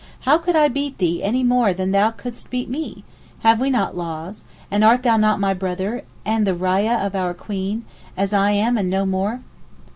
How could I beat thee any more than thou couldst beat me? Have we not laws? and art thou not my brother, and the rayah of our Queen, as I am and no more?